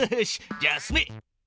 じゃあ進め！